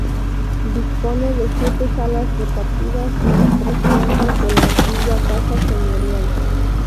Dispone de siete salas repartidas en las tres plantas de la antigua casa señorial.